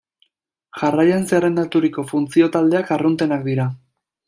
Jarraian zerrendaturiko funtzio taldeak arruntenak dira.